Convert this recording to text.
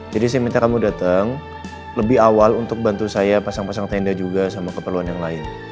jadi saya minta kamu datang lebih awal untuk bantu saya pasang pasang tenda juga sama keperluan yang lain